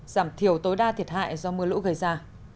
giảm thiểu tối đa thiệt hại do mưa lũ gây ra